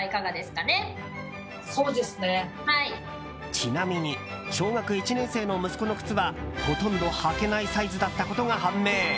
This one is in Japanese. ちなみに小学１年生の息子の靴はほとんど履けないサイズだったことが判明。